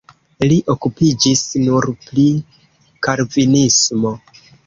Li okupiĝis nur pri kalvinismo.